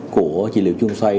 của trị liệu chuông xoay